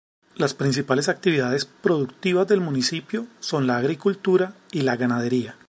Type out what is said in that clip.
Las principales actividades productivas del municipio son la agricultura y la ganadería.